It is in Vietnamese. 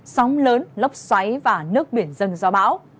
sóng lớn lốc xoáy và nước biển dân do bão